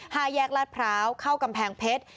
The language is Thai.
ห้าแยกลาดพร้าวเข้ากำแพงเพชร